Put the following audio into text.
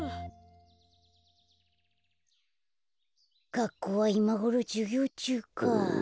がっこうはいまごろじゅぎょうちゅうか。